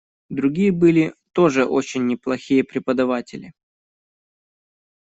Другие были тоже очень неплохие преподаватели..